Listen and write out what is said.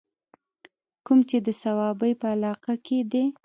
کوم چې د صوابۍ پۀ علاقه کښې دے